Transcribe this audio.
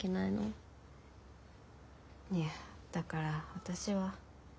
いやだから私は。